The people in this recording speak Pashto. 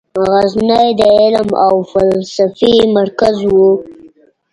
غزني د علم او فلسفې مرکز و.